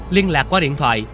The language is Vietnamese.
liên lạc qua điện thoại